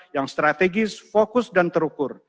yang strategis fokus dan terukur